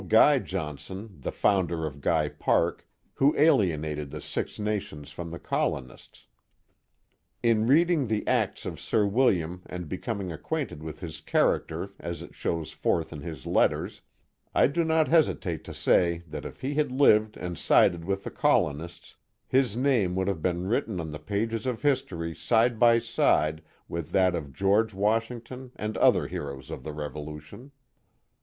Guy John son, the founder of Guy Park, who alienated the Six Nations from the colonists. In reading the acts of Sir William and becoming ac quainted with his character as it shows forth in his letters, I do not hesitate to say that if he had lived and sided with the colonists, his name would have been written on the pages of history side by side with that of George Washington and other heroes of the Revolution.